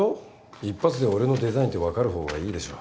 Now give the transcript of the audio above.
一発で俺のデザインって分かる方がいいでしょ。